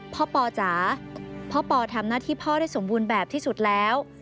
ปอจ๋าพ่อปอทำหน้าที่พ่อได้สมบูรณ์แบบที่สุดแล้ว